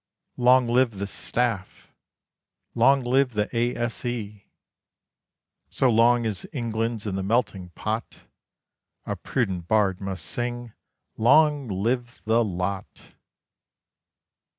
Long live the Staff! Long live the A.S.E.! So long as England's in the melting pot, A prudent bard must sing, "Long live the lot!"